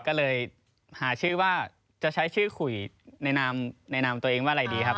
ก็เลยหาชื่อว่าจะใช้ชื่อคุยในนามตัวเองว่าอะไรดีครับ